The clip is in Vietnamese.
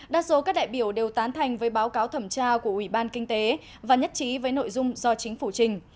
đa số các đại biểu đều tán thành với báo cáo thẩm tra của ủy ban kinh tế và nhất trí với nội dung do chính phủ trình